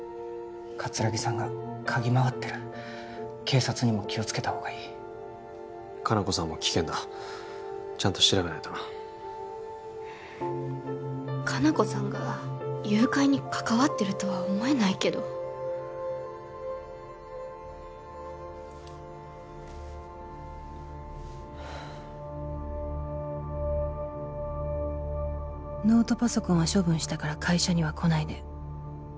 葛城さんが嗅ぎ回ってる警察にも気をつけたほうがいい香菜子さんも危険だちゃんと調べないとな香菜子さんが誘拐に関わってるとは思えないけど「ノートパソコンは処分したから会社にはこないで」